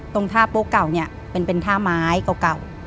ตรงท่าโป๊ะเก่าเนี่ยเป็นท่าไม้เก่า